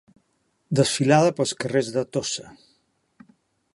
Desfilada pels carrers de Tossa.